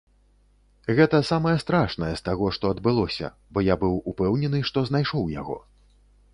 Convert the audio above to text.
Гэта самае страшнае з таго, што адбылося, бо я быў упэўнены, што знайшоў яго.